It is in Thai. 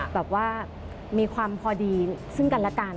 แบบว่ามีความพอดีซึ่งกันและกัน